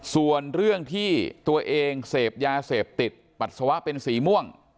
ส่วนเรื่องที่ตัวเองเสพยาเสพติดปัสสาวะเป็นสีม่วง